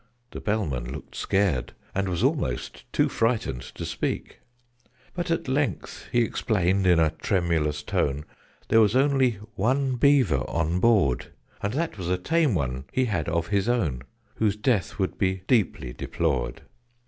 The Bellman looked scared, And was almost too frightened to speak: But at length he explained, in a tremulous tone, There was only one Beaver on board; And that was a tame one he had of his own, Whose death would be deeply deplored.